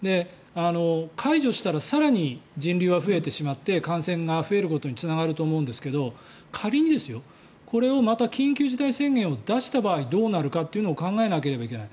解除したら更に人流は増えてしまって感染が増えることにつながると思うんですけど仮にまた緊急事態宣言を出した場合どうなるかというのを考えなければいけない。